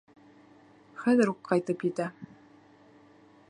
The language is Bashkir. Хәҙер үҙе ҡайтып етә.